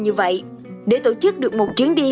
như vậy để tổ chức được một chuyến đi